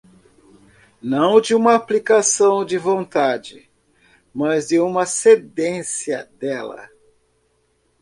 não de uma aplicação de vontade, mas de uma cedência dela.